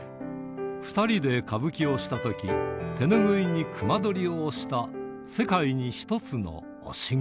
２人で歌舞伎をしたとき、手拭いに隈取りを押した世界に１つの押隈。